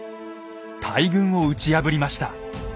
大軍を打ち破りました。